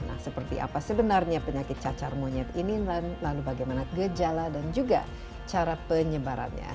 nah seperti apa sebenarnya penyakit cacar monyet ini lalu bagaimana gejala dan juga cara penyebarannya